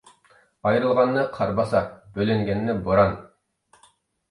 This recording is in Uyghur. ئايرىلغاننى قار باسار، بۆلۈنگەننى بوران.